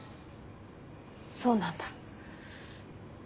そうなんだ。